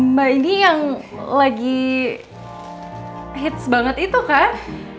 mbak ini yang lagi hits banget itu kan